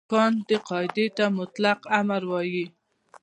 کانټ دې قاعدې ته مطلق امر وايي.